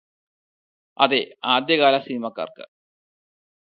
അതെ ആദ്യകാല സിനിമാക്കാര്ക്ക്